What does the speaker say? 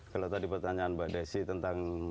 kalau tadi pertanyaan mbak desi tentang